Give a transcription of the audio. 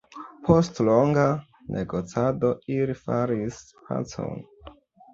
Post longa negocado ili faris pacon.